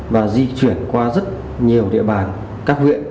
và di chuyển qua rất nhiều địa bàn các huyện